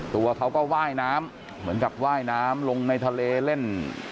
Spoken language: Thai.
ตัวเขาก็ว่ายน้ำเหมือนกับว่ายน้ำลงในทะเลเล่น